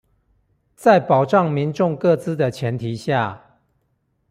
在保障民眾個資的前提下